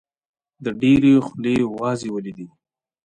د ډېرو خولې وازې ولیدې.